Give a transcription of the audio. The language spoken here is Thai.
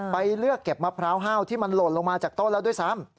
ไปเลือกเก็บมะพร้าวห้าวที่มันหล่นลงมาจากต้นแล้วด้วยซ้ำ